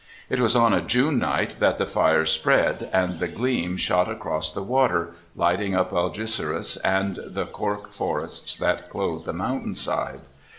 It was on a June night that the fire spread, and the gleam shot across the water, lighting up Algeciras and the cork forests that clothe the mountain side.